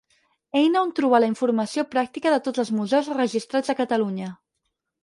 Eina on trobar la informació pràctica de tots els museus registrats de Catalunya.